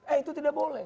eh itu tidak boleh